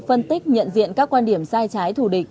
phân tích nhận diện các quan điểm sai trái thù địch